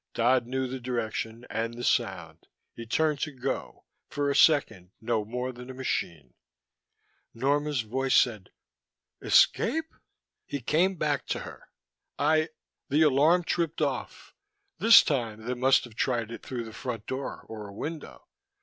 Dodd knew the direction, and the sound. He turned to go, for a second no more than a machine. Norma's voice said: "Escape?" He came back to her. "I the alarm tripped off. This time they must have tried it through the front door, or a window.